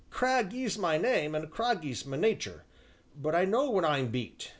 "Cragg is my name, an' craggy's my natur', but I know when I'm beat.